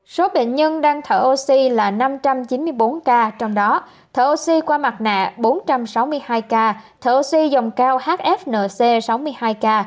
số bệnh nhân đang thở oxy là năm trăm chín mươi bốn ca trong đó thở oxy qua mặt nạ bốn trăm sáu mươi hai ca thở suy dòng cao hfnc sáu mươi hai ca